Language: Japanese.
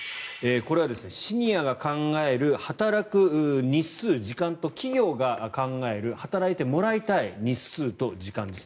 これはシニアが考える働く日数、時間と企業が考える働いてもらいたい日数と時間です。